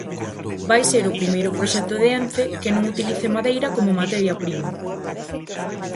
Vai ser o primeiro proxecto de Ence que non utilice madeira como materia prima.